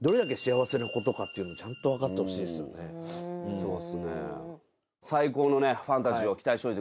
そうですね。